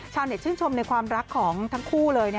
ชื่นชมในความรักของทั้งคู่เลย